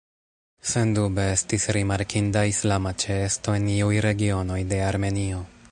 Sendube, estis rimarkinda islama ĉeesto en iuj regionoj de Armenio.